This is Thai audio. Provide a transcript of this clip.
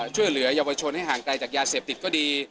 ช่วยเหลือเยาวชนให้ห่างไกลจากยาเสพติดก็ดี